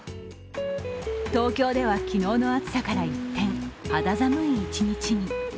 東京では昨日の暑さから一転、肌寒い一日に。